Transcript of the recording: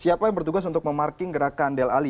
apa yang bertugas untuk memarking gerakan dele alli